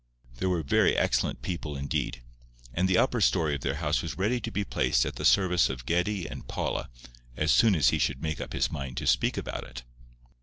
They were very excellent people indeed, and the upper story of their house was ready to be placed at the service of Geddie and Paula as soon as he should make up his mind to speak about it.